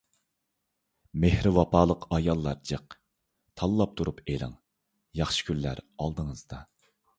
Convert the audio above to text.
مېھرى ۋاپالىق ئاياللار جىق. تاللاپ تۇرۇپ ئېلىڭ! ياخشى كۈنلەر ئالدىڭىزدا.